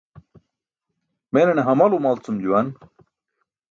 Menane hamal umalcum juwan.